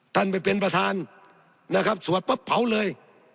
ท่านไปเป็นประธานนะครับสวดปุ๊บเผาเลย